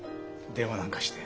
電話なんかして。